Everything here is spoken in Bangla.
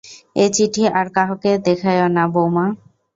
এ চিঠি আর কাহাকেও দেখাইও না বউ মা।